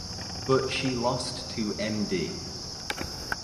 But she lost to Md.